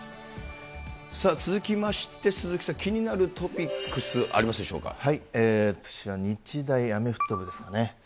続きまして鈴木さん、気になるト私は日大アメフト部ですかね。